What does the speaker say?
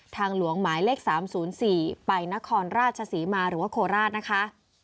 หลวงหมายเลข๓๐๔ไปนครราชศรีมาหรือว่าโคราชนะคะ